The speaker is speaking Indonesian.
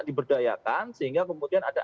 diberdayakan sehingga kemudian ada